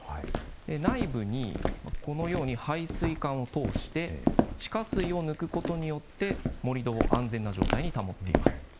内部にこのように排水管を通して地下水を抜くことによって盛土を安全な状態に保っています。